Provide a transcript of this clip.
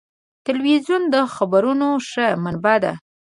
تلویزیون د خبرونو ښه منبع ده.